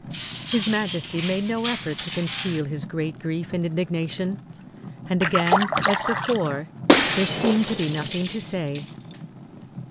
His Majesty made no effort to conceal his great grief and indignation. And again, as before, there seemed to be nothing to say.